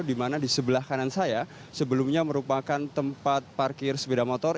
di mana di sebelah kanan saya sebelumnya merupakan tempat parkir sepeda motor